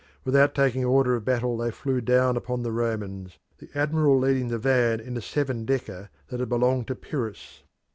Without taking order of battle they flew down upon the Romans, the admiral leading the van in a seven decker that had belonged to Pyrrhus.